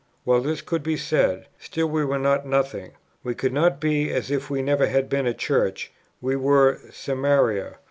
Well, this could be said; still we were not nothing: we could not be as if we never had been a Church; we were "Samaria."